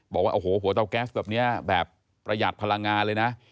บอกว่าโอ้โหหัวเตาแก๊สแบบนี้แบบประหยัดพลังงานเลยนะ